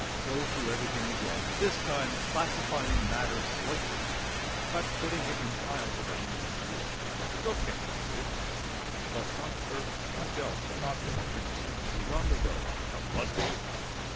Go through everything again, this time classifying matter slightly by putting it in piles around me on the floor; still can't find it, but unearth much else that ought to have been attended to long ago but wasn't.